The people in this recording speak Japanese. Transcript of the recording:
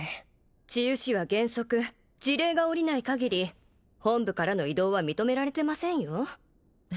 治癒士は原則辞令が下りない限り本部からの異動は認められてませんよ